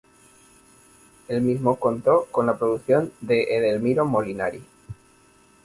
El mismo contó con la producción de Edelmiro Molinari.